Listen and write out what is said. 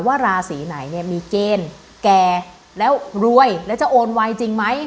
ราศีไหนเนี่ยมีเกณฑ์แก่แล้วรวยแล้วจะโอนไวจริงไหม